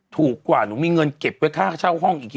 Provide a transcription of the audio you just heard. ถูกกว่านูมีเงินเก็บไปค่าช่าวห้องอีกเยอะ